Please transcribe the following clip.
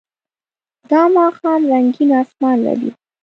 دا ماښام رنګین آسمان لري.